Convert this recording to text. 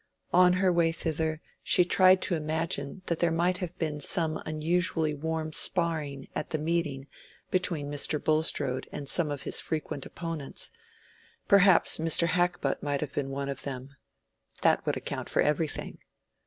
On her way thither she tried to imagine that there might have been some unusually warm sparring at the meeting between Mr. Bulstrode and some of his frequent opponents—perhaps Mr. Hackbutt might have been one of them. That would account for everything.